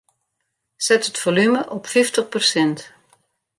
Set it folume op fyftich persint.